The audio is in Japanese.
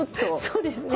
そうですね。